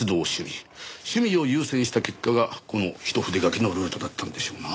趣味を優先した結果がこの一筆書きのルートだったんでしょうな。